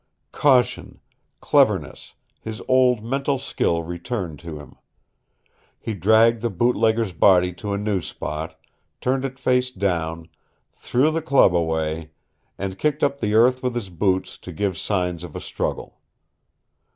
Caution, cleverness, his old mental skill returned to him. He dragged the boot legger's body to a new spot, turned it face down, threw the club away, and kicked up the earth with his boots to give signs of a struggle.